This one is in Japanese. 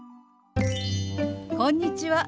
こんにちは。